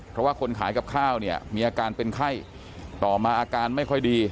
เพราะว่าคนขายกับข้าวเนี่ยมีอาการเป็นไข้ต่อมาอาการไม่ค่อยดี